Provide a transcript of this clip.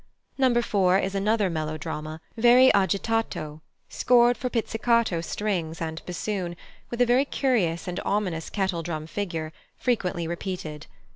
No. 4 is another melodrama, very agitato, scored for pizzicato strings and bassoon, with a very curious and ominous kettledrum figure, frequently repeated.